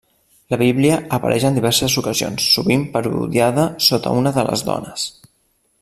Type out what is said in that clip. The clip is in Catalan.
La Bíblia apareix en diverses ocasions, sovint parodiada sota una de les dones.